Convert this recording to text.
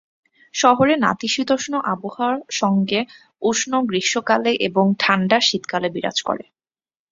শহরে নাতিশীতোষ্ণ আবহাওয়া সঙ্গে উষ্ণ গ্রীষ্মকালে এবং ঠাণ্ডা শীতকালে বিরাজ করে।